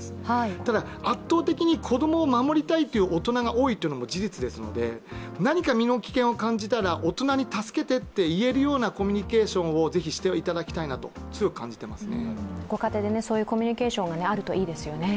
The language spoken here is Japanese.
ただ、圧倒的に子供を守りたいという大人が多いというのも事実ですので何か身の危険を感じたら大人に助けてと言えるようなコミュニケーションをぜひしていただきたいと強く感じていますね。